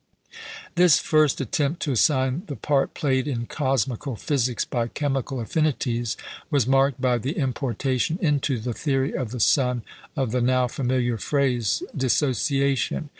This first attempt to assign the part played in cosmical physics by chemical affinities was marked by the importation into the theory of the sun of the now familiar phrase dissociation.